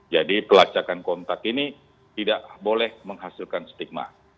jadi pelacakan kontak ini tidak boleh menghasilkan stigma